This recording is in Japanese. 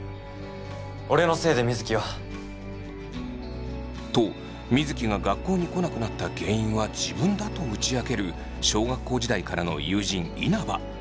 俺のせいで水城は。と水城が学校に来なくなった原因は自分だと打ち明ける小学校時代からの友人稲葉。